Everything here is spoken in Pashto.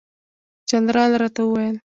جنرال راته وویل.